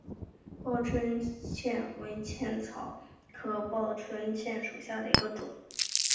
报春茜为茜草科报春茜属下的一个种。